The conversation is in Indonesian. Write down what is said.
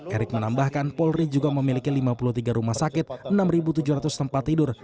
erick menambahkan polri juga memiliki lima puluh tiga rumah sakit enam tujuh ratus tempat tidur